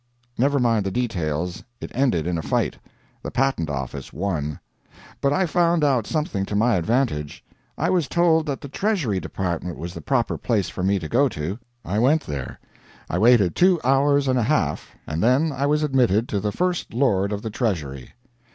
Never mind the details. It ended in a fight. The Patent Office won. But I found out something to my advantage. I was told that the Treasury Department was the proper place for me to go to. I went there. I waited two hours and a half, and then I was admitted to the First Lord of the Treasury.